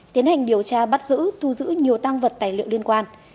tiến hành điều tra bắt giữ thu giữ nhiều tăng vật tài liệu liên quan